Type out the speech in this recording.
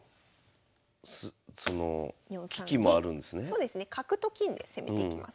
そうですね角と金で攻めていきます。